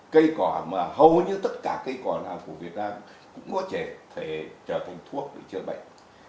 cây cỏ mà hầu như tất cả cây quả của việt nam cũng có thể trở thành thuốc để chữa bệnh